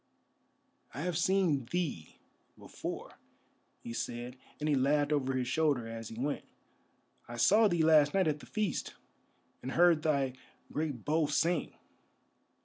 "I have seen thee before," he said, and he laughed over his shoulder as he went; "I saw thee last night at the feast, and heard thy great bow sing.